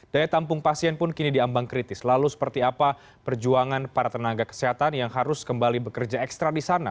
daya tampung pasien pun kini diambang kritis lalu seperti apa perjuangan para tenaga kesehatan yang harus kembali bekerja ekstra di sana